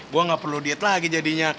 gue gak perlu diet lagi jadinya